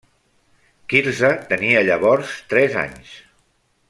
Quirze tenia llavors tres anys.